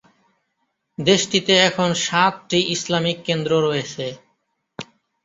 দেশটিতে এখন সাতটি ইসলামিক কেন্দ্র রয়েছে।